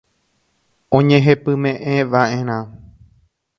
Oñehepymeʼẽvaʼerã.